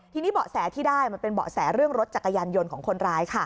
ทีนี้เบาะแสที่ได้มันเป็นเบาะแสเรื่องรถจักรยานยนต์ของคนร้ายค่ะ